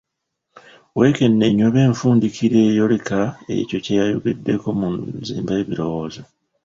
Weekenneenye oba enfundikira eyoleka ekyo ky'ayogegeddeko mu nzimba y'ebirowoozo.